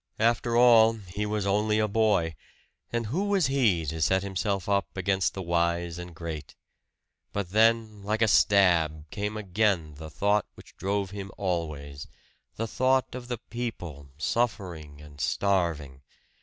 After all, he was only a boy; and who was he, to set himself up against the wise and great? But then like a stab, came again the thought which drove him always the thought of the people, suffering and starving!